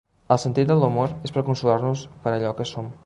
El sentit de l'humor és per consolar-nos per allò que som.